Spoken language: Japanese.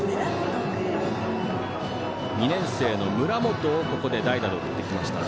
２年生の村本を代打で送ってきました。